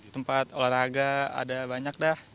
tempat olahraga ada banyak dah